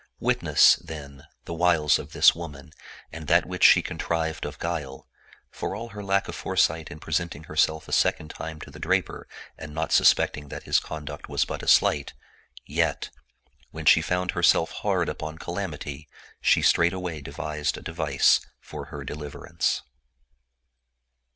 Witness, then, the wiles of this woman and that which she contrived of guile, for all her lack of foresight in presenting herself a second time to the draper and not suspecting that his con duct was but a sleight; yet, when she found herself hard upon calamity, she straightway devised a device for her deliverance.